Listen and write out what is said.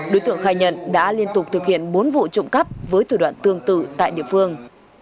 đối tượng khai nhận đã liên tục thực hiện bốn vụ trộm cắp với thủ đoạn tương tự tại địa phương